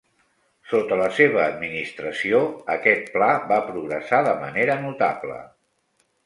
Sota la seva administració, aquest pla va progressar de manera notable.